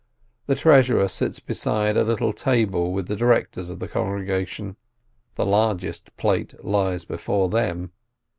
The treasurer sits beside a little table with the directors of the congregation; the largest plate lies before them.